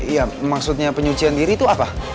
ya maksudnya penyucian diri itu apa